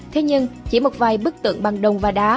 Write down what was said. thế nhưng chỉ một vài bức tượng bằng đồng và đá